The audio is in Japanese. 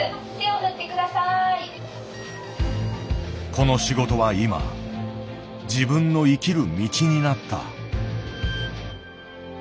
この仕事は今自分の生きる道になった。